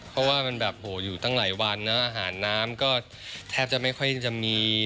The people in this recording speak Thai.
เพราะว่ามันแบบโหอยู่ตั้งหลายวันนะอาหารน้ำก็แทบจะไม่ค่อยจะมี